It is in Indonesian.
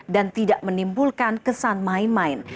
dan tidak menimbulkan kesan main main